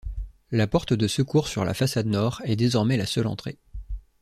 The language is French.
La Porte de Secours sur la façade nord est désormais la seule entrée.